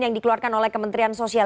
yang dikeluarkan oleh kementerian sosial